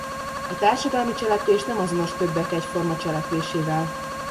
A társadalmi cselekvés nem azonos többek egyforma cselekvésével.